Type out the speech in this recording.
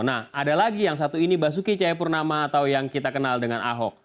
nah ada lagi yang satu ini basuki cahayapurnama atau yang kita kenal dengan ahok